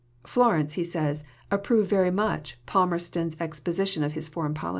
"Florence," he says, "approved very much Palmerston's exposition of his foreign policy."